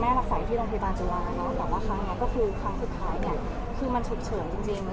เราก็ได้ไปที่โรงพยาบาลส่ามกุฎแล้วก็ไม่คิดว่าเขาจะไม่ได้ออกมาอีก